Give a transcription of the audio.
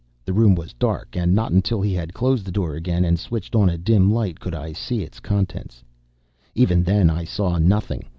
The room was dark, and not until he had closed the door again and switched on a dim light, could I see its contents. Even then I saw nothing.